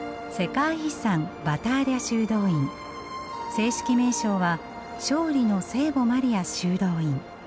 正式名称は勝利の聖母マリア修道院。